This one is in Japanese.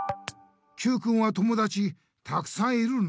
Ｑくんは友だちたくさんいるの？